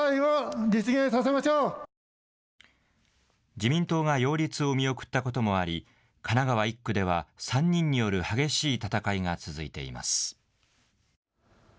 自民党が擁立を見送ったこともあり、神奈川１区では、３人による激しい戦いが続いています。